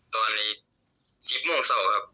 ตอนนี้๑๐โมงเศร้าครับ